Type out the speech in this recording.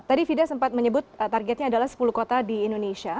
tadi fida sempat menyebut targetnya adalah sepuluh kota di indonesia